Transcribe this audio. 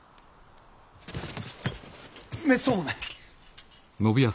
めっそうもない！